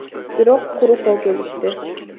Бирок куру кол келишти.